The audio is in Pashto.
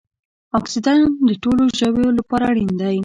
اکسیجن د ټولو ژویو لپاره اړین دی